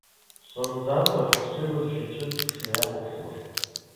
Сымӡанраха сҽеибыҭашьа ицәыҵԥшны иахәаԥшлашт.